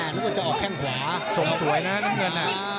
นึกว่าจะออกแข้งขวาส่งสวยนะน้ำเงิน